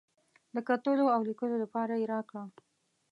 د کتلو او لیکلو لپاره یې راکړه.